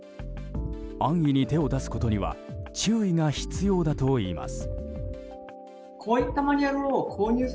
安易に手を出すことには注意が必要だといいます。